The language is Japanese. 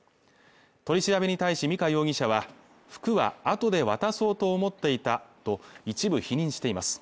取り調べに対し美香容疑者は服は後で渡そうと思っていたと一部否認しています